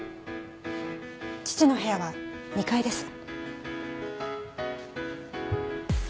父の部屋は２階です。